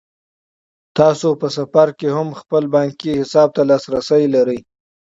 تاسو په سفر کې هم خپل بانکي حساب ته لاسرسی لرئ.